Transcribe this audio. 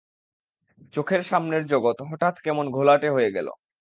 চোখের সামনের জগৎ হঠাৎ কেমন ঘোলাটে হয়ে গেল।